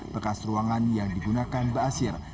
bekas ruangan yang digunakan baasir